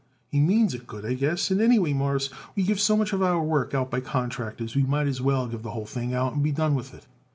"He means it good, I guess; and anyway, Mawruss, we give so much of our work out by contractors, we might as well give the whole thing out and be done with it.